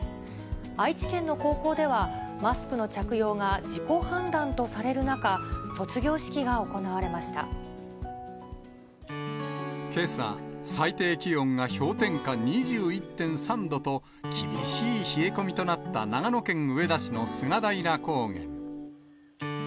愛知県の高校では、マスクの着用が自己判断とされる中、卒業式がけさ、最低気温が氷点下２１．３度と、厳しい冷え込みとなった長野県上田市の菅平高原。